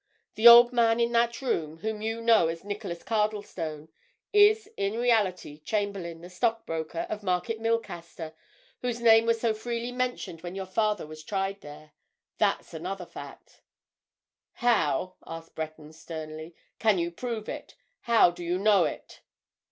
The old man in that room, whom you know as Nicholas Cardlestone, is in reality Chamberlayne, the stockbroker, of Market Milcaster, whose name was so freely mentioned when your father was tried there. That's another fact!" "How," asked Breton, sternly, "can you prove it? How do you know it?"